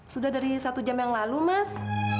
sudah dari satu jam yang lalu mas